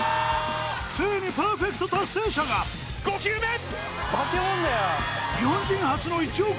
ついにパーフェクト達成者が５球目！か？